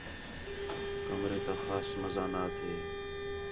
کمرے تا خاص مزہ نا تھے